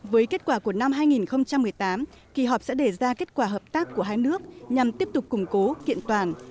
với kết quả của năm hai nghìn một mươi tám kỳ họp sẽ đề ra kết quả hợp tác của hai nước nhằm tiếp tục củng cố kiện toàn